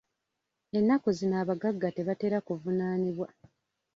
Ennaku zino abagagga tebatera kuvunaanibwa.